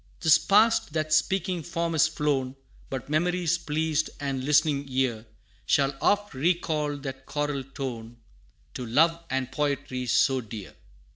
'Tis past that Speaking Form is flown But memory's pleased and listening ear, Shall oft recall that choral tone, To love and poetry so dear.